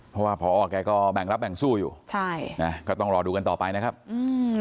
เพราะว่าพอแกก็แบ่งรับแบ่งสู้อยู่ใช่นะก็ต้องรอดูกันต่อไปนะครับอืม